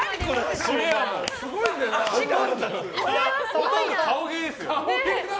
ほとんど顔芸ですよ。